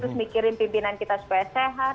terus mikirin pimpinan kita supaya sehat